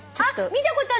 見たことある！